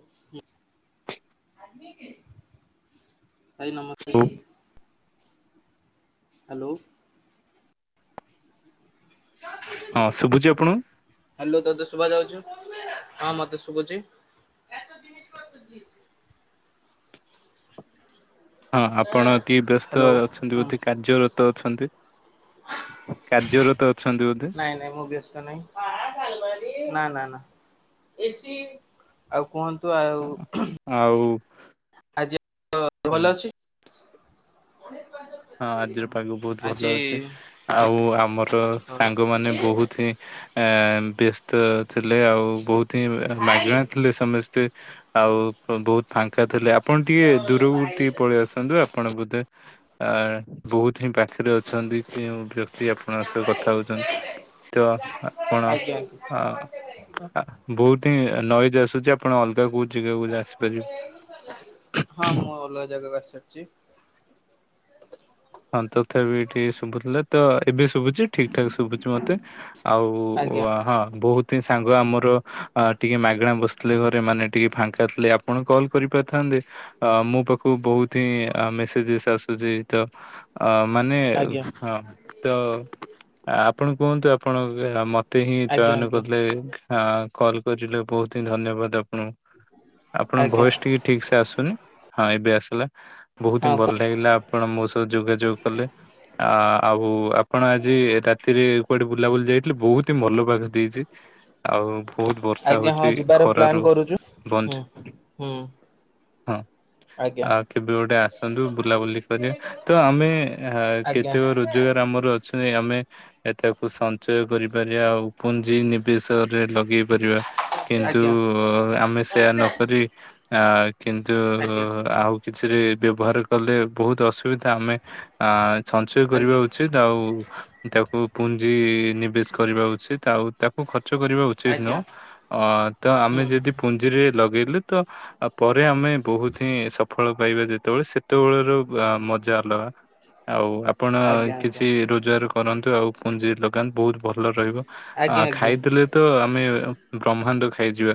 ଆ [unintelligible] ଭାଇ ନମସ୍ତେ। ଓ ହାଲୋ। ହଁ ଶୁଭୁଛି ଆପଣଙ୍କୁ? ହ୍ୟାଲୋ ତତେ ହଁ ମତେ ଶୁଭୁଛି। ହଁ ଆପଣ ଟିକେ ବ୍ୟସ୍ତ ହ୍ୟାଲୋ ଅଛନ୍ତି ବଧେ କାର୍ଯ୍ୟରତ ଅଛନ୍ତି? କାର୍ଯ୍ୟର ନାଇଁ, ନାଇଁ ମୁଁ ବ୍ୟସ୍ତ ନାହିଁ। ନା ନା ନା। ଏସି। ଆଉ କୁହନ୍ତୁ ହଁ ଆଉ? ଆଉ ତୋ ଦେହ ହୁଁ ଭଲ ଅଛି? ହଁ ଆଜିର ପାଗ ବହୁତ ଭଲ ଆଜି ଅଛି। ଆଉ ଆମର ସାଙ୍ଗମାନେ ବହୁତ ହିଁ ଆ ବ୍ୟସ୍ତ ଥିଲେ। ଆଉ ବହୁତ ହିଁ ମାଗଣା ଥିଲେ ସମସ୍ତେ। ଆଉ ବହୁତ ଫାଙ୍କା ଥିଲେ, ଆପଣ ଟିକେ ଦୂରକୁ ଟିକେ ପଳେଇ ଆସନ୍ତୁ, ଆପଣ ବୋଧେ ଆ ବୋହୁତ୍ ହିଁ ପା ପାଖରେ ଅଛନ୍ତି କେଉଁ ବ୍ୟକ୍ତି? ଆପଣଙ୍କ ସହ କଥା ହଉଛନ୍ତି? ତ ଆପଣ ଆଜ୍ଞା ହଁ ବହୁତ ହିଁ ନଈଜ ଆସୁଛି ଆପଣ ଅଲଗା କୋଉ ଜାଗାକୁ ଯାଆନ୍ତୁ। ହଁ, ମୁଁ ଅଲଗା ଜାଗାକୁ ଆସିସାରିଛି। ହଁ ତଥାବି ଟିକେ ଶୁଭୁଥିଲେ ତ ଏବେ ଶୁଭୁଛି ଠିକ୍ ଠାକ୍ ଶୁଭୁଛି ମତେ। ଆଉ ଆଜ୍ଞା ହଁ ବହୁତ ତିନି ସାଙ୍ଗ ଆମର ଟିକେ ମାଗଣା ବସିଥିଲେ ଘରେ ମାନେ ଟିକେ ଫାଙ୍କା ଥିଲେ ଆପଣ କଲ୍ କରିପାରିଥାନ୍ତେ। ତି ଅ ମୋ ପାଖକୁ ବହୁତ ହିଁ ମେସେଜେସ୍ ଆସୁଛି ତ ଅ ମାନେ ଆଜ୍ଞା ହଁ ତ ଆପଣ କୁହନ୍ତୁ ଆପଣ ମ ତେ ହିଁ ଆଜ୍ଞା ଚୟନ ଆଜ୍ଞା କଲେ ହଁ କଲ୍ କରିଲେ ବହୁତିହିଁ ଧନ୍ୟବାଦ ଆପ୍ ଙ୍କୁ ଆପଣଙ୍କ ଆଜ୍ଞା ଭଏସ ଟିକେ ଠିକ ସେ ଆସୁନି। ହଁ ଏବେ ଆସିଲା। ବହୁତ ହଁ ହିଁ ଭଲ କୁ ଲାଗିଲା ଆପଣ ମୋ ଯୋଗାଯୋଗ କଲେ ଆ ଆଉ ଆପଣ ଆଜି ରାତିରେ କୁଆଡେ ବୁଲାବୁଲି ଯାଇଥିଲେ ବହୁତ ବହୁତି ମଲ ପାଗ ଦେଇଛି ଆଉ ବହୁତ ବର୍ଷା ଆଜ୍ଞା ହଁ ହଉଛି ଯିବାର ଖରା ପ୍ଲାନ୍ ରୁ କରୁଛୁ ବଞ୍ଚ ହୁଁ ହୁଁ ହଁ ଆଜ୍ଞା ଆଉ କେବେ ଗୋଟେ ଆସନ୍ତୁ ବୁଲାବୁଲି କରିବା। ତ ଆମେ ହେ ଆଜ୍ଞା କେତେକ ରୋଜଗାର ଆମର ଅଛନ୍ତି ଆମେ ଏଟାକୁ ସଞ୍ଚୟ କରିପାରିବା ଆଉ ପୁଞ୍ଜି ନିବେଶ ଲଗେଇ ପାରିବା ଆଜ୍ଞା କିନ୍ତୁ ଆଜ୍ଞା ଆମେ ସେୟା ନକରି ଆ କିନ୍ତୁ ଆଜ୍ଞା ଆଉ କିଛିରେ ବ୍ୟବହାର କଲେ ବହୁତ ଅସୁବିଧା ଆମେ ଆ ସଞ୍ଚୟ କରିବା ଆଜ୍ଞା ଉଚିତ ଆଉ ତାକୁ ପୁଞ୍ଜି ନିବେଶ କରିବା ଉଚିତ ଆଉ ତାକୁ ଖ ର୍ଚ୍ଚ କରିବା ଉଚିତ ଆଜ୍ଞା ନୁହଁ। ତ ଆମେ ଯଦି ହୁଁ। ପୁଞ୍ଜିରେ ଲଗେଇଲୁ ତ ପରେ ଆମେ ବହୁତ ହିଁ ସଫଳ ପାଇବା ଯେତେବେଳେ ସେତେବେଳର ମ ଜା ଅଲଗା ଆଉ ଆପଣ ଆଜ୍ଞା କିଛି ରୋଜଗାର କରନ୍ତୁ ଆଉ ପୁଞ୍ଜି ଲଗାନ୍ତୁ ବହୁତ ଭଲ ରହିବ ଆ ଆଜ୍ଞା ଆଜ୍ଞା ଖାଇଦେଲେ ତ ଆମେ ବ୍ରହ୍ମାଣ୍ଡ ଖାଇଯିବା।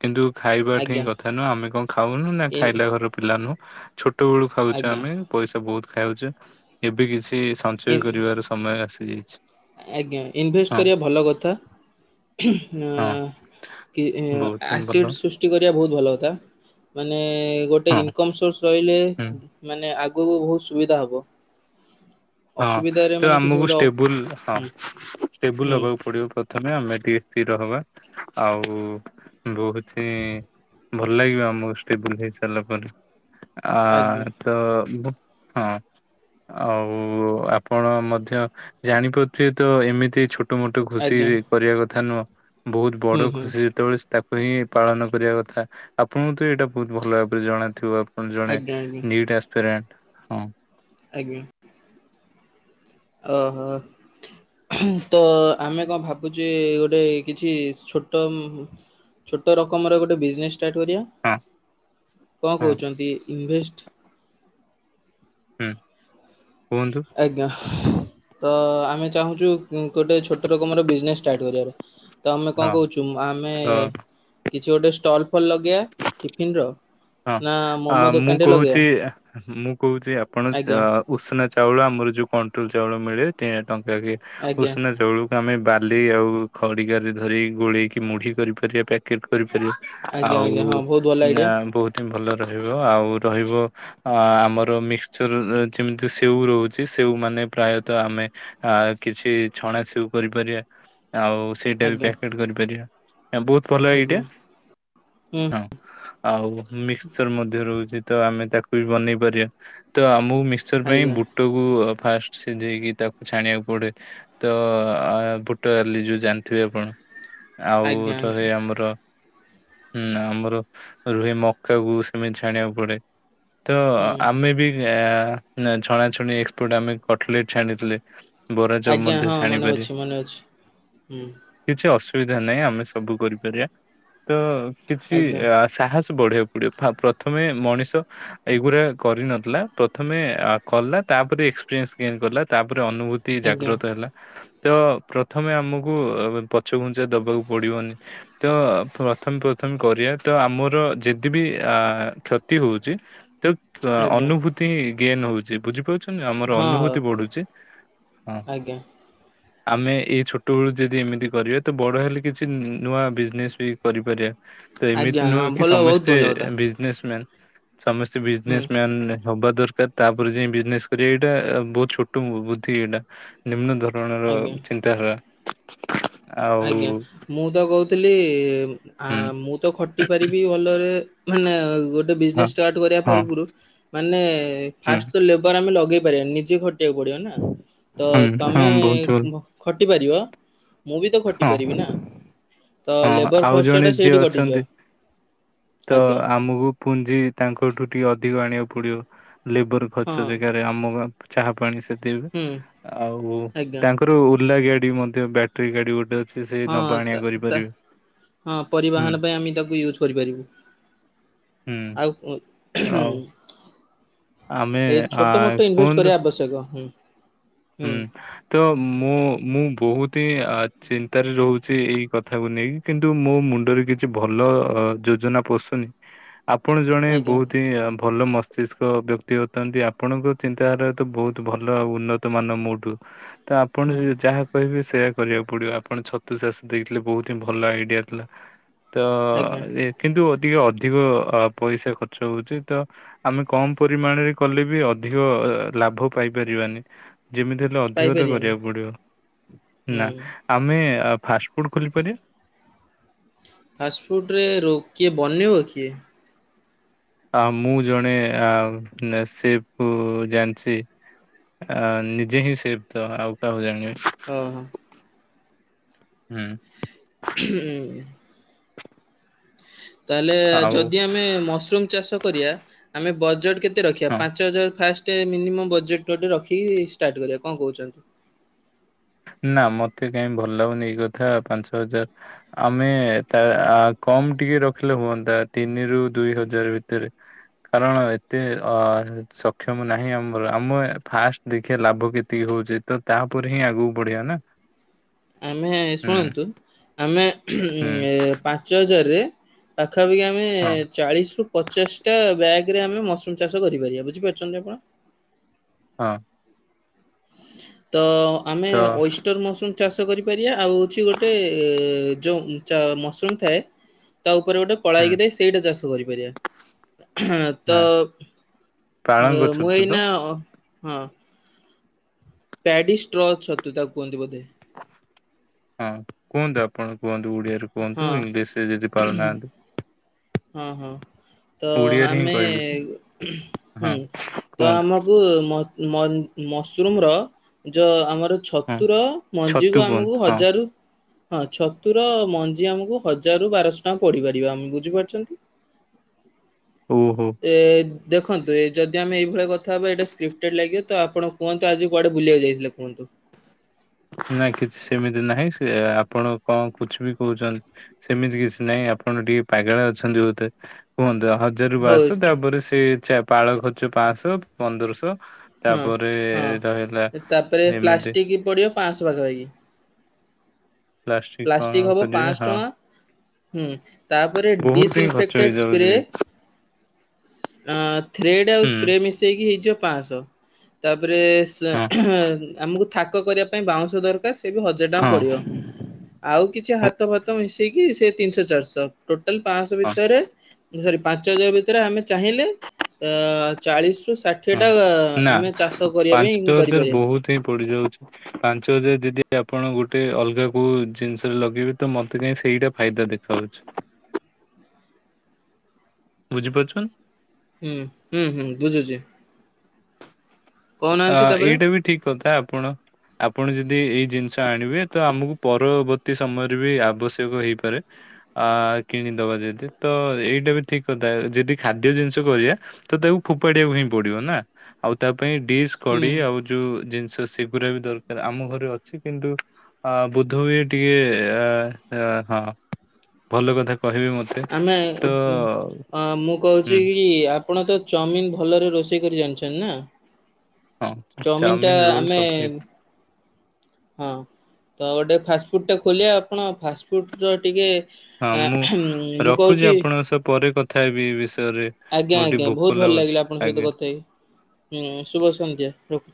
କିନ୍ତୁ ଖାଇବା ଠି ହିଁ ଆଜ୍ଞା ଆଜ୍ଞା କଥା ନୁହେଁ। ଆମେ କଣ ଖାଉନୁ ନା ଇନ୍ ଖାଇଲା ଘର ପିଲା ନୁହଁ। ଛୋଟ ବେଳୁ ଖାଉଛେ ଆଜ୍ଞା ଆମେ ପଇସା ବହୁତ ଖାଉଛେ ଏବେ କିଛି ଟି ସଞ୍ଚୟ ଇନ୍ କରିବାର ସମୟ ଆସିଛି। ଆଜ୍ଞା ଇନଭେଷ୍ଟ କରିବା ଭଲ କଥା। ଏ ହଁ। କି ବହୁତ ହିଁ ଭଲ ଆସିଡ ସୃଷ୍ଟି କରିବା ବହୁତ ଭଲ କଥା ମାନେ ଗୋଟେ ଗୋଟେ ହଁ ଇନକମ ସୋର୍ସ ରହିଲେ ହୁଁ ମାନେ ଆଗକୁ ବହୁତ ସୁବିଧା ହବ। ହଁ ଅସୁବିଧାରେ ତ ମାନେ କିଛି ଆମକୁ ଗୋଟେ ହୁଁ ଷ୍ଟେବୁଲ ହଁ ଟେବୁଲ ହୁଁ ହବାକୁ ପଡିବ ପ୍ରଥମେ ଆମେ ଟିକେ ଷ୍ଟି ତ ହବା ଆଉ ବହୁଥି ଭଲ ଲାଗିବ ଆମକୁ ଷ୍ଟେବୁଲ ହେଇ ସାରିଲା ପରେ। ଆ ଆଜ୍ଞା ତ ହଁ ଆଉ ଆ ଆପଣ ମଧ୍ୟ ଜାଣିପାରୁଥିବେ ତ ଏମିତି ଛୋ ତୋ ମୋଟେ ଖୁସି ଆଜ୍ଞା କରିବା କଥା ନୁହଁ। ବହୁତ ହୁଁ ବଡ ହୁଁ ଖୁସି ଯେତେବେଳେ ସେ ତାକୁ ହି ପାଳନ କରିବା କଥା ଆପଣଙ୍କୁ ତ ଏଇଟା ବହୁତ ଭଲ ଭାବରେ ଜଣାଥିବ। ହଁ ଜଣେ ଆଜ୍ଞା ଆଜ୍ଞା ନିଟ୍ ଅସ୍ଫେରାଣ୍ଟ ହଁ ଆଜ୍ଞା। ଓହୋ। ତ ଆମେ କଣ ଭାବୁଛେ ଗୋଟେ କିଛି ଛୋଟ ଛୋଟ ରକମର ଗୋଟେ ବିଜନେସ ଷ୍ଟାର୍ଟ କରିବା ହଁ କଣ ହଁ କହୁଛନ୍ତି ଇଭେଷ୍ଟ୍ ହୁଁ କୁହନ୍ତୁ। ଆଜ୍ଞା ତ ଆମେ ଚାହୁଁଛୁ ଗୋଟେ ଛୋଟ ରକମର ବିଜନେସ୍ ଷ୍ଟାର୍ଟ କରିବାର ତ ଆମେ ହଁ ଅନ୍ କୋହୁଛୁ ଆମେ ତ କିଛି ଗୋଟେ ଷ୍ଟଲ୍ ଫଲ୍ ଲଗେଇବା ଟିଫିନ୍ ର ହଁ ନା ଆ ମୋମୋ ମୁଁ ଦୋକାନ ଟେ ଲଗେଇବା। କହୁଛି ମୁଁ କହୁଛି ଆପଣ ଆଜ୍ଞା ଚା ଉଷ୍ନା ଚାଉଳ ଆମର ଯୋଉ କଣ୍ଟ୍ରୋଲ ଚାଉଳ ମିଳେ। ଟେ ଟଙ୍କା କି ଆଜ୍ଞା ଉଷନା ଚାଉଳ ତ ଆମେ ବାଲି ଆଉ ଖଡ଼ିକାରେ ଧରି ଗୋଳେଇକି ମୁଢି କରିପାରିବା ପ୍ୟାକେଟ କରିପାରିବା। ଆଜ୍ଞା ଆଜ୍ଞା ଆଉ ହଁ ବହୁତ ଭଲ ଆଇଡିଆ ନା ବହୁତ ଭଲ ରହିବ ଆଉ ରହିବ। ଅ ଆମର ମିକ୍ସଚର ଯେମିତି ସେଉ ରହୁଛି ସେ ସେଉମାନେ ପ୍ରାୟତଃ ଆମେ ଆ କିଛି ଛଣା ସେଉ କରିପାରିବା। ଆଉ ସେଇଟା ବି ଆଜ୍ଞା ପ୍ୟାକେଟ କରିପାରିବା। ବହୁତ ଭଲ ଏଇଟା ଆଜ୍ଞା ହୁଁ ହଁ ଆଉ ମିକ୍ସଚର ମଧ୍ୟ ରହୁଛି। ତ ଆମେ ତାକୁ ବି ବନେଇ ପାରିବା ତ ଆମକୁ ମିକ୍ସଚର ପାଇଁ ଆଜ୍ଞା ବୁଟକୁ ଫାଷ୍ଟ ସିଝେଇକି ତାକୁ ଛାଣିବାକୁ ପଡେ ତ ଭୁଟଲି ଯୋଉ ଜାଣିଥିବେ ଆପଣ ଆଉ ଆଜ୍ଞା ରହେ ଆଜ୍ଞା ଆମର ହୁଁ ଆମର ରୁହେ ମ କାକୁ ଖୁସ୍ ଛାଣିବାକୁ ପଡେ ତ ହୁଁ ଆମେ ବି ତା ଛଣାଛଣି ଏକ୍ସପୋର୍ଟ ଆମେ କଟଲେଟ ଛାଣିଥିଲେ। ବରାଚବ୍ ଆଜ୍ଞା ମଧ୍ୟ ହଁ ମନେ ଛାଣିପାରିବା, ଅଛି ମନେ ଅଛି ହୁଁ କିଛି ଅସୁ ସୁବିଧା ନାହିଁ ଆମେ ସବୁ କରିପାରିବା ତ କିଛି ଆଜ୍ଞା ସାହସ ବଢେଇ ପ୍ରଥମେ ମଣିଷ ଏଇଗୁଡା କରିନଥିଲା ପ୍ରଥମେ କଲା ତାପରେ [unintelligible] ତାପରେ ଅନୁଭୁତି ଆଜ୍ଞା ଜାଗ୍ରତ ହେଲା। ତ ପ୍ରଥମେ ଆମକୁ ପଛ ଘୁଞ୍ଚା ଦବାକୁ ପଡିବନି ତ ପ୍ରଥମେ ପ୍ରଥମେ କରିବା ତ ଆମର ଯେତ୍ ଯ ବି ଅ କ୍ଷତି ହଉଛି ତ ଆଜ୍ଞା ଅନୁଭୂତି ଗେନ୍ ହଉଛି ବୁଝିପାରୁଛି। ଆମର ହଁ ଅନୁଭୂତି ବଢୁଛି ହଁ ଆଜ୍ଞା ଆମେ ଏଇ ଛୋଟବେଳୁ ଯଦି ଏମିତି କରିବା ତ ବଡ ହେଲେ କିଛି ନୂଆ ବିଜନେସ ବି କରିପାରିବା। ତ ଆଜ୍ଞା ଏମିତି ନୁହଁ ହଁ କି ଭଲ ବହୁତ ସମସ୍ତେ ଭଲ କଥା ବିଜନେସ ମ୍ୟାନ୍। ସମସ୍ତେ ହୁଁ ବିଜନେସ୍ ମ୍ୟାନ୍ ହବା ଦରକାର ତାପରେ ଯାଇ ବିଜନେସ କରିବା ଏଇଟା ବହୁତ ଛୋଟ ବୁଦ୍ଧି ଏଇଟା ନିମ୍ନ ଦରକା ଧରଣ ର ଆଜ୍ଞା ଚିନ୍ତାଧାରା। ଆଉ ଆଜ୍ଞା ମୁଁ ତ କହୁ ଥିଲ ହୁଁ ମୁଁ ତ ଖଟି ପାରିବି ଭଲରେ ମାନେ ଗୋ ଗୋଟେ ହଁ ବିଜନେସ୍ ଷ୍ଟାଟ କରିବା ହଁ ପୂର୍ବରୁ ମାନେ ହୁଁ ଫାଷ୍ଟ ତ ଲେବର ଆମେ ଲଗେଇ ପାରିବାନି ନିଜେ କୁ ପଡିବ ନା, ତ ହୁଁ ହଁ ତମେ ବହୁତ ଭଲ ଖଟି ପାରିବ। ମୁଁ ବି ତ ଖଟି ହଁ। ପାରିବି ନା, ତ ହଁ ଲେବର ଆଉ ଜଣେ ଖର୍ଚ୍ଚଟା ଯିଏ ସେଇଠି କଟିଯିବ। ଅଛନ୍ତି ତ ଆଜ୍ଞା। ଆମକୁ ପୁଞ୍ଜି ତାଙ୍କଠୁ ଟିକେ ଅଧିକ ଆଣିବାକୁ ପଡିବ, ଲେବର ହଁ ଖର୍ଚ୍ଚ ଜାଗାରେ ଆମ ଚାହା ପାଣି ସେଥି ହୁଁ ଆଉ ଆଜ୍ଞା ତାଙ୍କର ଓଲା ଗାଡି ମଧ୍ୟ ବ୍ୟାଟେରୀ ଗାଡି ଗୋଟେ ସେ ସେଇ ହଁ ନବା ତା ଆଣିବା ତା କରିପାରିବେ। ହଁ ହୁଁ ପରିବାହନ ପାଇଁ ଆମେ ତାକୁ ୟୁଜ୍ କରିପାରିବୁ ହୁଁ ଆଉ ଆଉ ହୁଁ ଆମେ ଏଇ ଆ ଛୋଟ ମୋଟ ଇନଭେଷ୍ଟ କୁହନ୍ତୁ କରିବା ଆବଶ୍ୟକ ହୁଁ ତ ମୁଁ ମୁଁ ବହୁତ ହିଁ ଚିନ୍ତାରେ ରହୁଛି ଏଇ କଥାକୁ ନେଇକି, କିନ୍ତୁ ମୋ ମୁଣ୍ଡରେ କିଛି ଭଲ ଯୋଜନା ପସୁନି, ଆପଣ ଜଣେ ଆଜ୍ଞା ବହୁତ ହିଁ ଭଲ ମସ୍ତିଷ୍କ ବ୍ୟକ୍ତି ଅଛନ୍ତି, ଆପଣଙ୍କ ଚିନ୍ତାଧାରା ତ ବହୁତ ଭଲ ଉନ୍ନତି ମାନ ମୋଠୁ ତ ଆପଣ ହୁଁ ଯାହା କହିବେ ସେ କରିବାକୁ ପଡିବ ଆପଣ ଛତୁ ଚାଷ ଦେଇଥିଲେ ବହୁତ ହିଁ ଭଲ ଆଇଡିଆ ଥିଲା। ତ ଆଜ୍ଞା କିନ୍ତୁ ଟିକେ ଅଧିକ ଅ ପଇସା ଖର୍ଚ୍ଚ ହଉଛି ତ, ଆମେ କମ ପରିମାଣରେ କଲେ ବି ଅଧିକ ଲାଭ ପାଇପାରିବାନି। ଯେମିତି ହେଲେ ଅଧିକତା ପାଇପାରିବେନି କରିବାକୁ ପଡିବ ନା ହୁଁ। ଆମେ ଫାଷ୍ଟଫୁଡ୍ ଖୋଲିପାରିବା? ଫାଷ୍ଟଫୁଡ ରେ ର କିଏ ବନେଇବ କିଏ? ଆ ମୁଁ ଜଣେ ଅ ସେ ପୁ ଜାଣିଛି। ଆ ନିଜେ ହିଁ ସେ ତ ଆଉ କାହାକୁ ଜାଣିବେ। ହଁ ହୋ। ହୁଁ ହୁଁ ତାହେଲେ ଆଉ ଯଦି ଆମେ ମସରୁମ ଚାଷ କରିବା ଆମେ ବଜେଟ କେତେ ରଖିବା ହଁ ପାଞ୍ଚ ହଜାର ଫାଷ୍ଟ ବଜେଟ ଗଟେ ରଖିକି ଷ୍ଟ। ର୍ଟ କ କଣ କହୁଛନ୍ତି? ନା ମତେ କାହିଁ ଭଲ ଲାଗନି ଏଇ କଥା। ପାଞ୍ଚ ହଜାର ଆମେ ତା କଣ କମ ଟିକେ ରଖିଲେ ହୁଅନ୍ତା ତିନିରୁ ଦୁଇ ହଜାର ଭିତରେ। କାରଣ ଏତେ ଅ ସକ୍ଷମ ନାହିଁ ଆମର ଆମ ଫାଷ୍ଟ ଦେଖିବା ଲାଭ କେତିକି ହଉ ଛି ତ ତାପରେ ହିଁ ଆଗକୁ ବଢିବା ନା। ଆମେ ହୁଁ ଶୁଣନ୍ତୁ ଆମେ ହୁଁ ଉ ପାଞ୍ଚ ହଜାରରେ ପାଖାପାଖି ଆମେ ହଁ ଚାଳିଶି ରୁ ପଚାଶଟା ବ୍ୟାଗ୍ ଏଥିରୁ ଆମେ ମସରୁମ୍ ଚାଷ କରିପାରିବା। ବୁଝିପାରୁଛନ୍ତି ଆପଣ। ହଁ ତ ଆମେ ତ ଓଷ୍ଟର ମସରୁମ ଚାଷ କରିପାରିବା ଆଉ ଅଛି ଗୋଟେ ଯଉ ମସରୁମ୍ ଥାଏ ତା ରେ ଗୋଟେ କଳା ହୁଁ ହେଇକି ଦେଇ ସେଇଟା ଚାଷ କରିପାରିବା ତ ହଁ ହ ପାଳଙ୍ଗ ମୁଁ ଛତୁ ତ ଏଇନା ଅ ହଁ ପଡିଷ୍ଟ୍ର ଛତୁ ତାକୁ କୁହନ୍ତି। ବୋଧେ ହଁ କୁହନ୍ତୁ ଆପଣ କୁହନ୍ତୁ ଓଡିଆରେ କୁହନ୍ତୁ ହଁ ଇଂଲିଶରେ ଯଦି ପାାରୁନାହାନ୍ତି। ହଁ ହ ତ ହିଁ ଆମେ କହିବେ ତ? ହୁଁ ହଁ ତ କୁହନ୍ତୁ ଆମକୁ ମ ମସରୁମ୍ ର ଯ ଆମ ହଁ ଛତୁର ଛତୁ ମଞ୍ଜିକୁ କୁହନ୍ତୁ ଆମକୁ ହଁ ହଜା ହଁ ଛତୁର ମଞ୍ଜି ଆମକୁ ହଜାରରୁ ବାରଶହ ଟଙ୍କା ପଡିପାରିବା ଆମେ ବୁଝିପାରୁ ଚ ଓହୋ [inaudible] ଏ ଦେଖନ୍ତ ଏ ଯଦି ଆମେ ଏଇଭଳି କଥା ହେବା ଏଟା ସ୍କ୍ରିପ୍ଟେଡ୍ ଲାଗିବ। ତ ଆପଣ କୁହନ୍ତୁ ଆଜି କୁଆଡେ ବୁଲିବାକୁ ଯାଇଥିଲେ। କୁହନ୍ତୁ [inaudible] ନା କିଛି ସେମିତି ନାହିଁ ସେ ଆପଣ କଣ କୁଛିବି କହୁଛନ୍ତି। ସେମିତି କିଛି ନାହିଁ ଆପଣ ଟିକେ ପାଗଳା ଅଛନ୍ତି ବୋଧେ। କୁହନ୍ତୁ ହଜାରରୁ ହଉ ବାରଶହ କି- ତାପରେ ସେ ପାଳ ଖର୍ଚ୍ଚ ପାଞ୍ଚଶହ ପନ୍ଦରଶହ। ହଁ ତାପରେ ହଁ ରହିଲା ତାପରେ ଏମିତି ପ୍ଲାଷ୍ଟିକ ବି ପଡିବ ପାଞ୍ଚଶହ ପାଖ ପାଖି। ପ୍ଲାଷ୍ଟିକ କଣ ପ୍ଲାଷ୍ଟିକ୍ ହବ କରିବେ ପାଞ୍ଚ ହଁ ଟଙ୍କା। ହୁଁ ତାପରେ ବହୁତ ହିଁ ଖର୍ଚ୍ଚ ଡିସଇନଫେକ୍ଟେଡ ସ୍ପ୍ରେ ହେଇଯାଉଛି ଅ ଥ୍ରେଡ ଆଉ ହୁଁ ସ୍ପ୍ରେ ମିଶେଇକି ହେଇଯିବ ପାଞ୍ଚଶହ ତା ତାପରେ ହଁ ଆମକୁ ଥାକ କରିବା ପାଇଁ ବାଉଁଶ ଦରକାର। ସେ ବି ହଜାରେ ଟଙ୍କା ହଁ। ପଡିବ। ଆଉ କିଛି ହାତ ଫାତ ମିଶେଇକି ସେ ତିନିଶହ ଚାରିଶହ ଟୋଟାଲ ପାଞ୍ଚଶହ ହଁ ଭିତରେ ସରି ପାଞ୍ଚ ହଜାର ଭିତରେ ଆମେ ଚାହିଁଲେ ଅ ଚାଳିଶ ରୁ ଷାଠିଏ ହଁ ଟା ନା ଆମେ ଚାଷ କରିବା ପାଇଁ ପାଞ୍ଚ ହଜାର କରିପାରିବା। ବହୁତ ହିଁ ପଡିଯାଉଛି ପାଞ୍ଚ ହଜାର ଯଦି ଆପଣ ଗୋଟେ ଅଲଗା କୋଉ ଜିନିଷରେ ଲଗେଇବେ ତ ମତେ କାହିଁ ସେଇଟା ଫାଇଦା ଦେଖାଯାଉଛି। [unintelligible] ବୁଝିପାରୁଛନ୍। ହୁଁ ହୁଁ ହୁଁ ବୁଝୁଛି। ଅ କହୁନାହାନ୍ତି ତାପରେ ଏଇଟା ବି ଠିକ କଥା ଆପଣ ଆ ଆପଣ ଯଦି ଏଇ ଜିନିଷ ଆଣିବେ ତ ଆମକୁ ପରବର୍ତ୍ତୀ ସମୟରେ ବି ଆବଶ୍ୟକ ହେଇପାରେ ଆ କିଣିଦବା ଯଦି ତ ଏଇଟା ବି ଠିକ କଥା ଯଦି ଖାଦ୍ୟ ଜିନିଷ କରିବା ତ ତାକୁ ଫୋପ ଫୋପାଡିବାକୁ ହଁ ପଡିବ ନା ଆଉ ତା ପାଇଁ ଡିସ ହୁଁ କଡେଇ ଆଉ ଯୋଉ ଜିନ ସ ସେଗୁରା ବି ଦରକାର ଆମ ଘରେ ଅଛି କିନ୍ତୁ ଅ ବୁଦ୍ଧ ଭାଇ ଟିକେ ଅ ହଁ ଭଲ କଥା କହିବେ ମତେ ଆମେ ତ ମୁଁ ହୁଁ କହୁଛି କି ଆପଣ ତ ଚାଉମିିନ ଭଲରେ ରୋଷେଇ କରି ଜାଣିଛନ୍ତି ନା ହଁ ଚାଉମିିନ ଟା ରୋଲ ଆମେ ସବୁ ହଁ ତ ଗୋଟେ ଫାଷ୍ଟଫୁଡ଼ ଟା ଖୋଲିବା ଆପଣ ଫାଷ୍ଟଫୁଡ଼ ର ଟିକେ ହଁ ଆ ମୁଁ ମୁଁ ରଖୁଛି କହୁଛି ଆପଣଙ୍କ ସହ ପରେ କଥା ହେବି ବିଷ ରେ ଆଜ୍ଞା ମତେ ଟିକେ ଆଜ୍ଞା ବହୁତ ଭୋକ ଭଲ ଲାଗୁଛି ଲାଗିଲା ଆପଣଙ୍କ ସହିତ ଆଜ୍ଞା। କଥା ହେଇ ହୁଁ ଶୁଭ ସନ୍ଧ୍ୟା ରଖୁଛି।